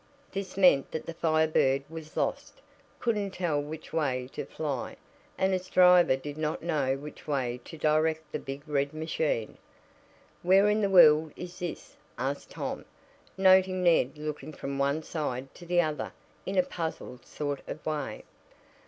This meant that the Fire Bird was lost couldn't tell which way to fly, and its driver did not know which way to direct the big red machine. "Where in the world is this?" asked Tom, noting Ned looking from one side to the other in a puzzled sort of way.